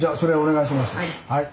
はい。